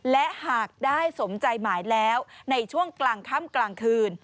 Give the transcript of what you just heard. และหากได้สมใจหมายแล้วในช่วงกลางค่ำกลางคืน